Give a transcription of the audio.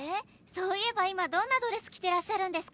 そういえば今どんなドレス着てらっしゃるんですか？」